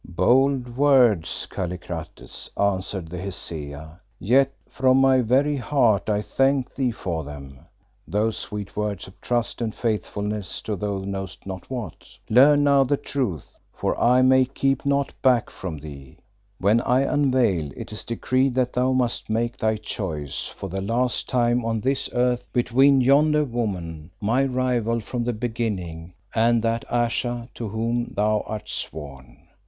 "Bold words, Kallikrates," answered the Hesea; "yet from my very heart I thank thee for them: those sweet words of trust and faithfulness to thou knowest not what. Learn now the truth, for I may keep naught back from thee. When I unveil it is decreed that thou must make thy choice for the last time on this earth between yonder woman, my rival from the beginning, and that Ayesha to whom thou art sworn.